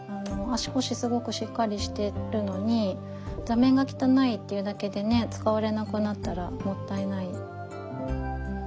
足腰すごくしっかりしてるのに座面が汚いっていうだけで使われなくなったらもったいない。